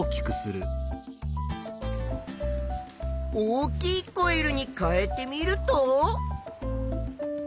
大きいコイルに変えてみると。